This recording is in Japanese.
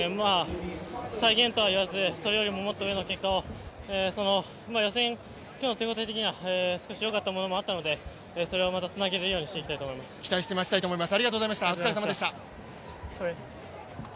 再現とは言わずもっと上の結果を予選、今日の手応え的には少しよかったものもあったのでそれをまたつなげられるようにしたいと思います。